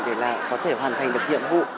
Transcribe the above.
để là có thể hoàn thành được nhiệm vụ